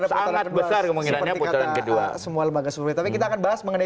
di putaran kedua terjadi dinamika yang berbeda